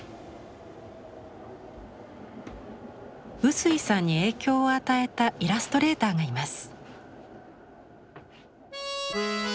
臼井さんに影響を与えたイラストレーターがいます。